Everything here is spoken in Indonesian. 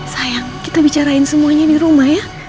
sayang kita bicarain semuanya di rumah ya